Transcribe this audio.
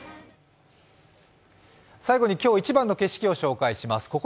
最後に今日一番の景色を紹介します。